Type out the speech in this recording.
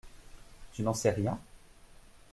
Tu n’en sais rien ?